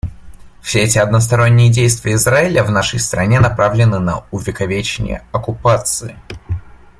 Все эти односторонние действия Израиля в нашей стране направлены на увековечение оккупации.